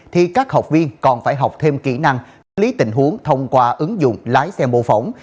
thì các học viên còn phải học thêm kỹ năng xử lý tình huống thông qua ứng dụng lái xe mô phỏng